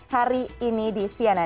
sautut e filters diri malah